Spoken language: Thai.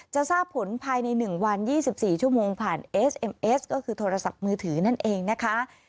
จะทราบผลภายใน๑วัน๒๔ชั่วโมงผ่านเอสเอ็มเอสก็คือโทรศัพท์มือถือนั่นเองนะคะ